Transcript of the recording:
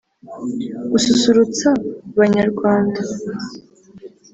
gususurutsa banyarwanda